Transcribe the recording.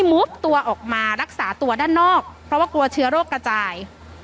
มุบตัวออกมารักษาตัวด้านนอกเพราะว่ากลัวเชื้อโรคกระจาย